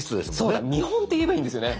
そうだ見本って言えばいいんですよね。